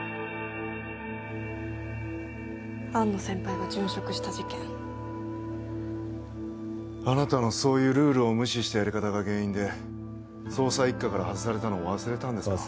安野先輩が殉職した事件あなたのそういうルールを無視したやり方が原因で捜査一課から外されたのを忘れたんですか？